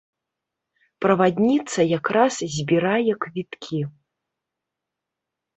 Правадніца якраз збірае квіткі.